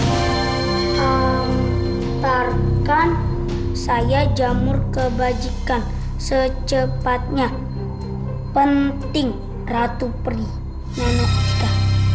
ntarkan saya jamur kebajikan secepatnya penting ratu pergi nenek kita